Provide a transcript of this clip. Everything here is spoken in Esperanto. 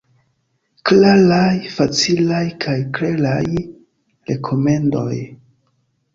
Klaraj, facilaj kaj kleraj rekomendoj.